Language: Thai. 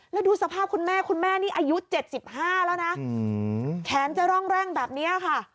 แล้วดูสภาพคุณแม่คุณแม่นี่อายุ๗๕แล้วนะแขนจะร่องแร่งแบบนี้ค่ะ